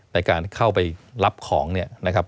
ในการเข้าไปรับของเนี่ยนะครับ